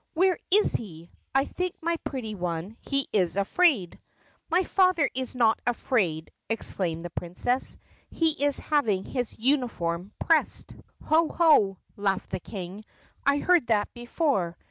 Where is he? I think, my pretty one, he is afraid." "My father is not afraid!" exclaimed the Princess. "He is having his uniform pressed." 139 THE PUSSYCAT PRINCESS 140 "Ho! ho!" laughed the King. "I heard that before.